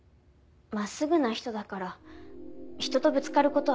真っすぐな人だから人とぶつかる事は多かった。